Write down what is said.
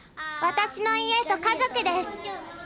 私の家と家族です。